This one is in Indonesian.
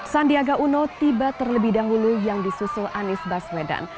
sandiaga uno tiba terlebih dahulu yang disusul anies baswedan